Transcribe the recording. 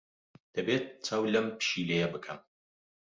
دەبێت چاو لەم پشیلەیە بکەم.